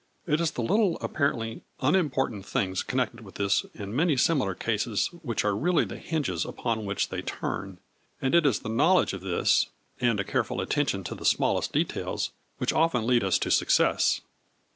It is the little apparently unimport ant things connected with this and many similar cases which are really the hinges upon which they turn, and it is the knowledge of this, and a careful attention to the smallest details which often lead us to success.